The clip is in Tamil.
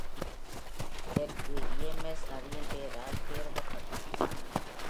இதற்கு Ems நதியின் பெயரால் பெயரிடப்பட்டது.